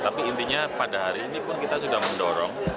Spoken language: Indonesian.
tapi intinya pada hari ini pun kita sudah mendorong